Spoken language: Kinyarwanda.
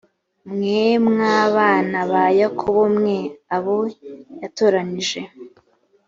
mwe mwa bana ba yakobo mwe abo yatoranije